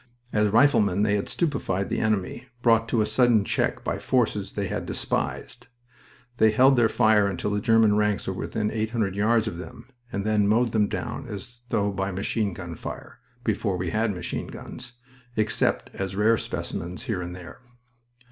As riflemen they had stupefied the enemy, brought to a sudden check by forces they had despised. They held their fire until the German ranks were within eight hundred yards of them, and then mowed them down as though by machine gun fire before we had machine guns, except as rare specimens, here and there.